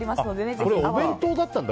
これ、お弁当だったんだ。